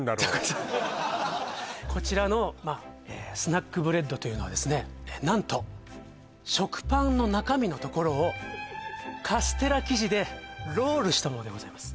こちらのスナックブレッドというのはですね何と食パンの中身のところをカステラ生地でロールしたものでございます